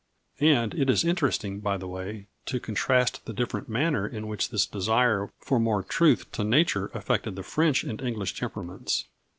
And it is interesting, by the way, to contrast the different manner in which this desire for more truth to nature affected the French and English temperaments.